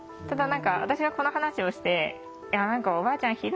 ただ何か私がこの話をして何かおばあちゃん